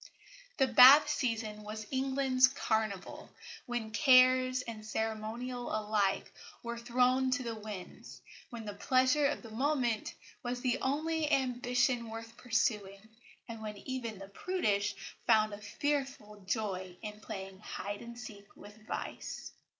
The Bath season was England's carnival, when cares and ceremonial alike were thrown to the winds, when the pleasure of the moment was the only ambition worth pursuing, and when even the prudish found a fearful joy in playing hide and seek with vice.